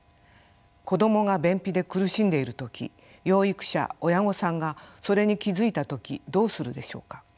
子どもが便秘で苦しんでいる時養育者親御さんがそれに気付いた時どうするでしょうか。